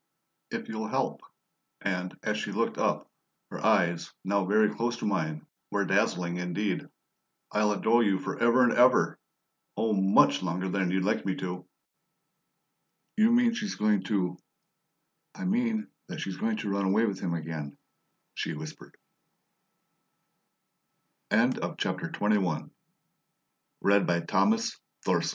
"If you'll help" and, as she looked up, her eyes, now very close to mine, were dazzling indeed "I'll adore you for ever and ever! Oh, MUCH longer than you'd like me to!" "You mean she's going to " "I mean that she's going to run away with him again," she whispered. CHAPTER XXII At midnight there was no mistaking the palpable